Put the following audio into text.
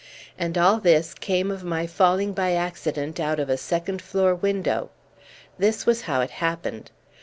And all this came of my falling by accident out of a second floor window. This was how it happened.